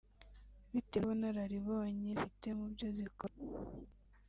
bitewe n’ubunararibonye zifite mu byo zikora